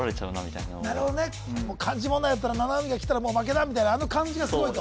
漢字問題だったら七海がきたらもう負けだみたいなあの感じがすごいと？